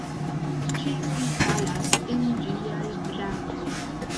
Ĉiuj falas en ĝiaj brakoj.